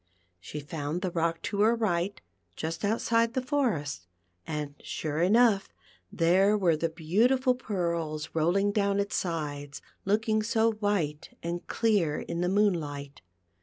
She found the rock to her right just outside the forest, and, sure enough, there were the beautiful pearls rolling down its sides, and looking so white and clear in the moonlight.